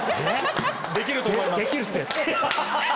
できると思います！